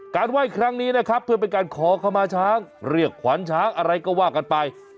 ไหว้ครั้งนี้นะครับเพื่อเป็นการขอขมาช้างเรียกขวานช้างอะไรก็ว่ากันไป